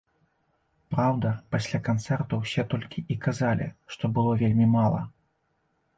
Праўда, пасля канцэрту ўсе толькі і казалі, што было вельмі мала.